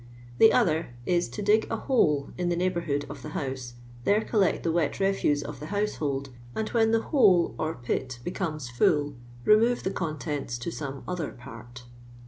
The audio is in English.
The other is, to dig a hole in the neigh bourhood of the house, there collect the wet refuse of tiie household, and when the hole or pit becomes full, remove the contents to some other part.